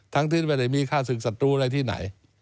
ทั้งที่ไม่ได้มีฆ่าศึกศัตรูในที่ไหน